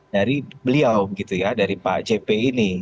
dari beliau gitu ya dari pak jp ini